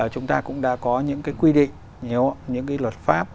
chúng ta cũng đã có những quy định những luật pháp